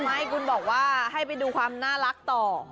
ไม่คุณบอกว่าให้ไปดูความน่ารักต่อ